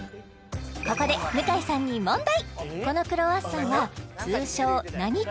ここで向井さんに問題